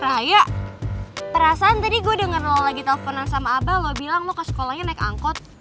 bahaya perasaan tadi gue denger lo lagi teleponan sama abah lo bilang lo ke sekolahnya naik angkot